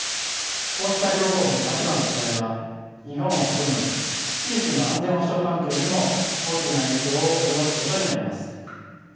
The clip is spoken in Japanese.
こうした両候補の立場の違いは日本を含む地域の安全保障環境にも大きな影響を及ぼすことになります。